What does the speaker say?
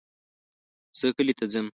زه کلي ته ځم